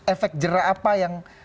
efek jerah apa yang